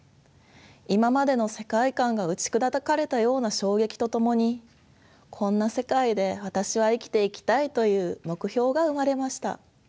今までの世界観が打ち砕かれたような衝撃とともに「こんな世界で私は生きていきたい」という目標が生まれました。